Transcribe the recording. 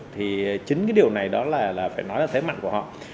thì chính điều này là phải nói là thế mạnh của họ